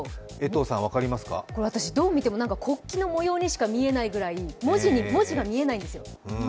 これ、私、どう見ても国旗の模様にしか見えないくらい文字が見えないんですよ。